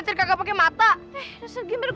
terima kasih pak